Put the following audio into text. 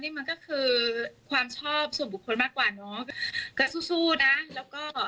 นี่มันก็คือความชอบส่วนบุคคลมากกว่าเนอะก็สู้สู้นะแล้วก็